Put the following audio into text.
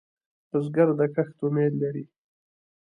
بزګر د کښت امید لري